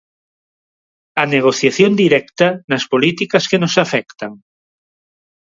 A negociación directa nas políticas que nos afectan.